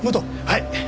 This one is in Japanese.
はい。